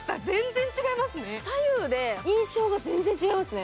左右で印象が全然違いますね。